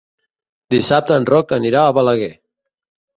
Dissabte en Roc anirà a Balaguer.